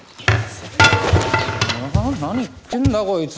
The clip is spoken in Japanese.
何言ってんだこいつ！